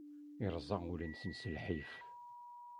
Irẓa ul-nsen s lḥif.